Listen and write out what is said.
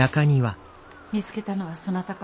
見つけたのはそなたか。